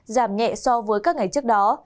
giảm nhẹ so với các ngày trước đó